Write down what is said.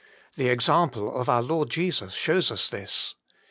The example of our Lord Jesus shows us this.